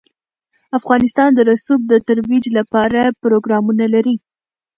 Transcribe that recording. افغانستان د رسوب د ترویج لپاره پروګرامونه لري.